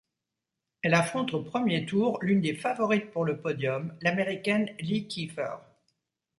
Elle affronte au premier tour l'une des favorites pour le podium, l'américaine Lee Kiefer.